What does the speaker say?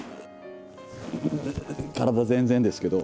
体全然ですけど。